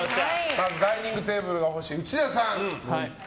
まずダイニングテーブルが欲しい内田さんご一家。